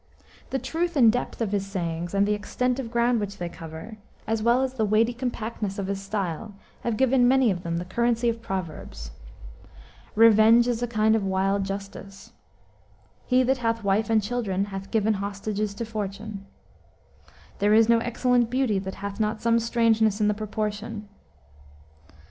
The truth and depth of his sayings, and the extent of ground which they cover, as well as the weighty compactness of his style, have given many of them the currency of proverbs. "Revenge is a kind of wild justice." "He that hath wife and children hath given hostages to fortune." "There is no excellent beauty that hath not some strangeness in the proportion."